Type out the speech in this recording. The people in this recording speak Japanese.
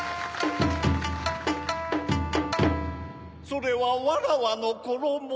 それはわらわのころも。